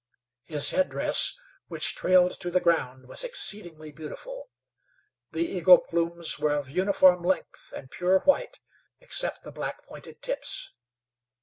His headdress, which trailed to the ground, was exceedingly beautiful. The eagle plumes were of uniform length and pure white, except the black pointed tips.